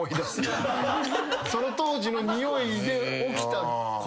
その当時のにおいで起きたこと。